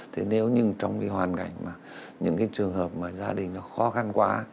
thế nếu như trong cái hoàn cảnh mà những cái trường hợp mà gia đình nó khó khăn quá